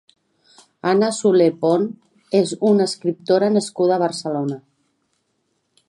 Anna Soler-Pont és una escriptora nascuda a Barcelona.